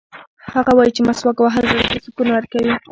هغه وایي چې مسواک وهل زړه ته سکون ورکوي.